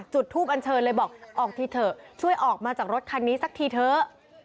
จุดทูปอันเชิญเลยบอกออกทีเถอะช่วยออกมาจากรถคันนี้สักทีเถอะ